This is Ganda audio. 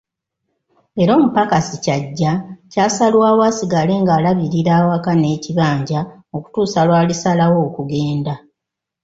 Era omupakasi Kyajja kyasalwawo asigale ng'alabirira awaka n'ekibanja okutuusa lw'alisalawo okugenda.